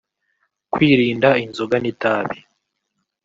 kwirinda inzoga n’itabi